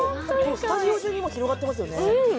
スタジオ中に広がっていますよね。